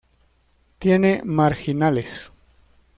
Tiene marginales.